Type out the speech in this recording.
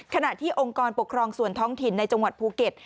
ขณะที่องค์กรปกครองส่วนท้องถิ่นในจังหวัดภูเก็ต